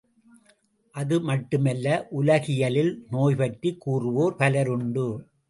அதுமட்டுமல்ல, உலகியலில் நோய்பற்றிக் கூறுவோர் பலருண்டு.